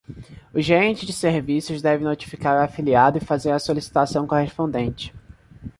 O gerente de serviços deve notificar o afiliado e fazer a solicitação correspondente.